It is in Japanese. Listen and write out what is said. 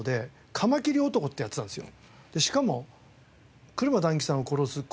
「カマキリ！」ってやってたんですよ。